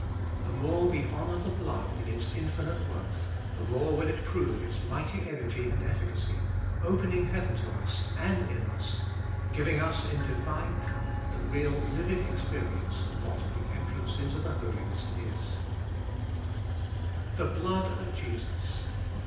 The more we honour the blood in its infinite worth, the more will it prove its mighty energy and efficacy, opening heaven to us and in us, giving us, in divine power, the real living experience of what the entrance into the Holiest is. Dolicst of BU 359 The blood of Jesus.